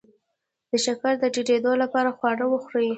د شکر د ټیټیدو لپاره خواږه وخورئ